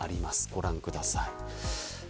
ご覧ください。